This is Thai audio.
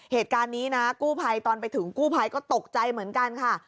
เหตุการณ์นี้นะกู้ภัยตอนไปถึงกู้ภัยก็ตกใจเหมือนกันค่ะ